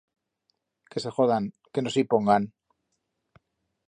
Que se jodan, que no se i pongan.